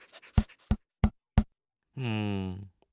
うん。